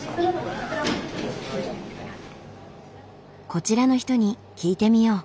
こちらの人に聞いてみよう。